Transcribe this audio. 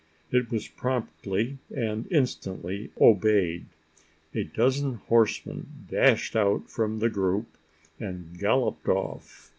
It was promptly and instantly obeyed. A dozen horsemen dashed out from the group, and galloped off.